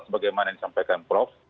sebagaimana yang disampaikan prof